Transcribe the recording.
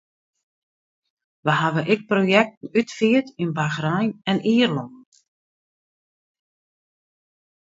Wy hawwe ek projekten útfierd yn Bachrein en Ierlân.